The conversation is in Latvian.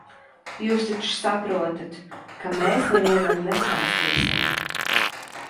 Jūs taču saprotat, ka mēs nevienam nestāstīsim.